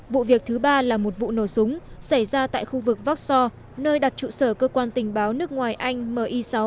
vụ việc thứ ba là một vụ nổ súng xảy ra tại khu vực vác so nơi đặt trụ sở cơ quan tình báo nước ngoài anh mi sáu